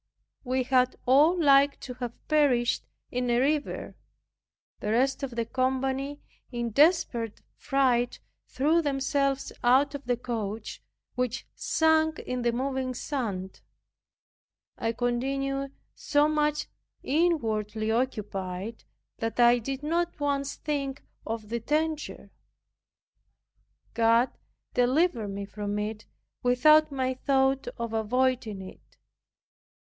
We had all liked to have perished in a river. The rest of the company in desperate fright threw themselves out of the coach, which sunk in the moving sand. I continued so much inwardly occupied, that I did not once think of the danger. God delivered me from it without my thought of avoiding it.